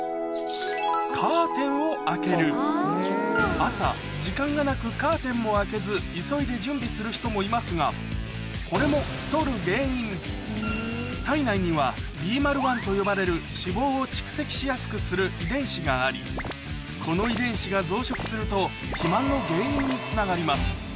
朝時間がなくカーテンも開けず急いで準備する人もいますがこれも太る原因体内にはＢＭＡＬ１と呼ばれる脂肪を蓄積しやすくする遺伝子がありこの遺伝子が増殖すると肥満の原因につながります